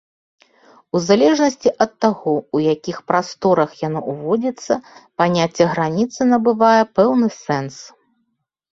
У залежнасці ад таго, ў якіх прасторах яно ўводзіцца, паняцце граніцы набывае пэўны сэнс.